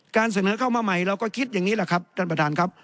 เสนอเข้ามาใหม่เราก็คิดอย่างนี้แหละครับท่านประธานครับ